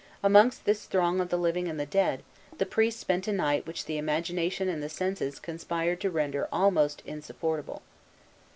Amidst this throng of the living and the dead, the priests spent a night which the imagination and the senses conspired to render almost insupportable.